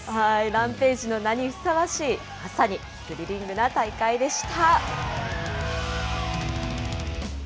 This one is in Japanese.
ランペイジの名にふさわしいまさにスリリングな大会でした。